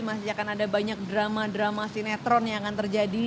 masih akan ada banyak drama drama sinetron yang akan terjadi